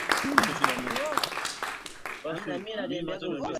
Alishindwa kuongea baada ya kupatikana na polisi